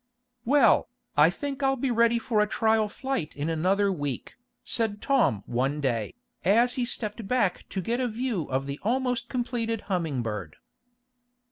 "Well, I think I'll be ready for a trial flight in another week," said Tom one day, as he stepped back to get a view of the almost completed Humming Bird.